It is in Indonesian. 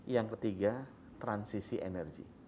yang ketiga transisi energi